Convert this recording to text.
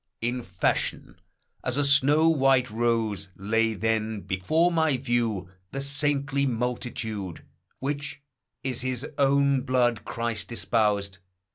CANTO XX XT. Tx fashion, as a snow white rose, lay then Before my view the saintly multitude, Which is his own blood Christ espoused.